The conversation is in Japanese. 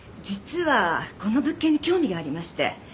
実はこの物件に興味がありまして。